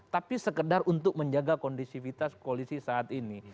tapi sekedar untuk menjaga kondisivitas koalisi saat ini